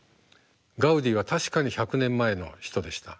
ガウディは確かに１００年前の人でした。